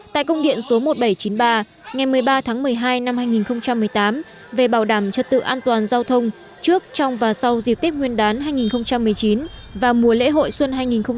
tại công điện số một nghìn bảy trăm chín mươi ba ngày một mươi ba tháng một mươi hai năm hai nghìn một mươi tám về bảo đảm trật tự an toàn giao thông trước trong và sau dịp tết nguyên đán hai nghìn một mươi chín và mùa lễ hội xuân hai nghìn một mươi chín